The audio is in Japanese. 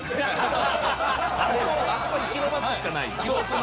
あそこを引きのばすしかない。